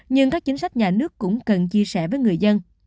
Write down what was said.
nhưng các chính sách nhà nước cũng cần chia sẻ với người dân